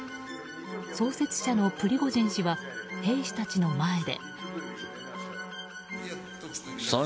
創設者のプリゴジン氏は兵士たちの前で。